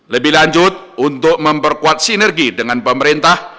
lebih lanjut untuk memperkuat sinergi dengan pemerintah